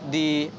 di tempat ini